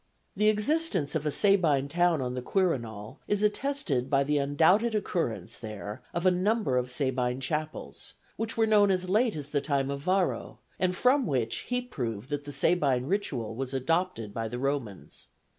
The existence of a Sabine town on the Quirinal is attested by the undoubted occurrence there of a number of Sabine chapels, which were known as late as the time of Varro, and from which he proved that the Sabine ritual was adopted by the Romans.